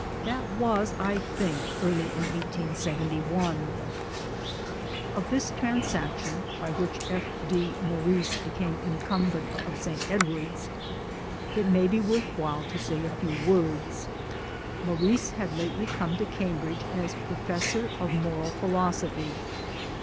That was I think early in 1871. Of this transaction, by which F. D. Maurice became incumbent of St. Edward's, it may be worth while to say a few words. Maurice had lately come to Cambridge as Professor of Moral Philosophy.